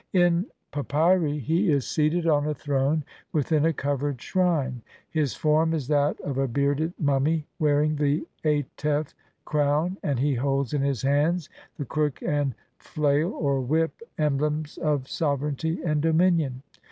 In papyri he is seated on a throne within a covered shrine ; his form is that of a bearded mummy wear ing the atef crown, and he holds in his hands the f* LXXXIV INTRODUCTION. crook and flail (or whip), emblems of sovereignty and dominion.